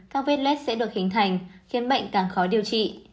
các vết led sẽ được hình thành khiến bệnh càng khó điều trị